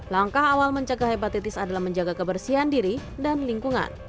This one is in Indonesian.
langkah awal mencegah hepatitis adalah menjaga kebersihan diri dan lingkungan